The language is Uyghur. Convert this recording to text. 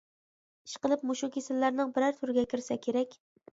ئىشقىلىپ مۇشۇ كېسەللەرنىڭ بېرەر تۈرىگە كىرسە كېرەك.